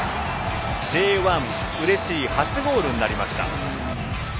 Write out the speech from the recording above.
Ｊ１うれしい初ゴールになりました。